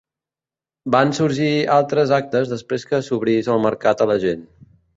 Van sorgir altres actes després que s'obrís el mercat a la gent.